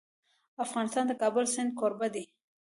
افغانستان د د کابل سیند کوربه دی.